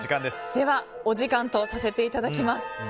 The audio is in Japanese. では、お時間とさせていただきます。